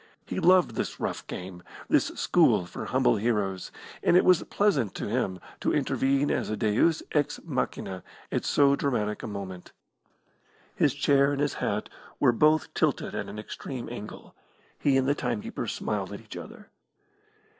He loved this rough game, this school for humble heroes, and it was pleasant to him to intervene as a Deus ex machina at so dramatic a moment. His chair and his hat were both tilted at an extreme angle; he and the timekeeper smiled at each other.